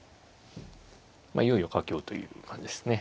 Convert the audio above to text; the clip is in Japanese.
まあいよいよ佳境という感じですね。